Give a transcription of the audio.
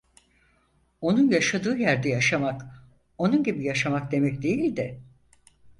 Onun yaşadığı yerde yaşamak, onun gibi yaşamak demek değildi.